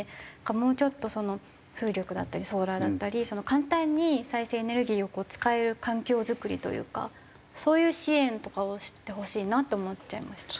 もうちょっと風力だったりソーラーだったり簡単に再生エネルギーを使える環境づくりというかそういう支援とかをしてほしいなと思っちゃいました。